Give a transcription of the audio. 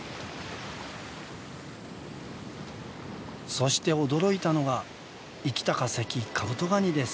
そして驚いたのが生きた化石カブトガニです。